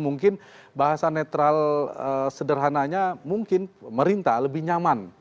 mungkin bahasa netral sederhananya mungkin pemerintah lebih nyaman